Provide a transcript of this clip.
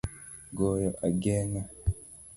Goyo agenga